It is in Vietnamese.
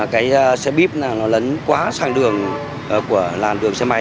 cái xe buýt nó lấn quá sang đường của làn đường xe máy